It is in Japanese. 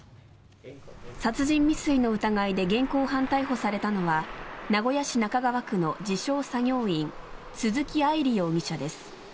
殺人未遂の疑いで現行犯逮捕されたのは名古屋市中川区の自称・作業員鈴木愛里容疑者です。